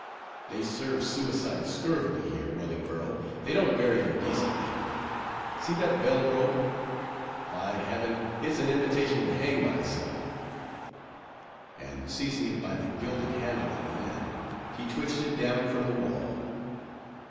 They serve suicides scurvily here, Wellingborough; they don't bury them decently. See that bell rope! By Heaven, it's an invitation to hang myself"—and seizing it by the gilded handle at the end, he twitched it down from the wall.